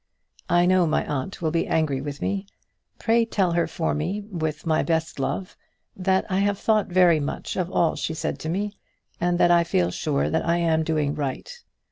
I know my aunt will be angry with me. Pray tell her from me, with my best love, that I have thought very much of all she said to me, and that I feel sure that I am doing right.